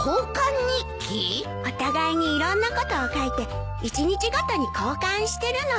お互いにいろんなことを書いて１日ごとに交換してるの。